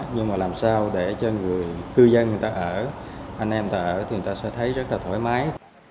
nhưng mà làm sao để cho người cư dân người ta ở anh em người ta ở thì người ta sẽ thấy rất là thoải mái